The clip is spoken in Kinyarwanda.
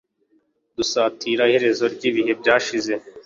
dusatira iherezo ryibihe byashize